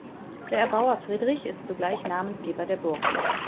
Der Erbauer Friedrich ist zugleich Namensgeber der Burg.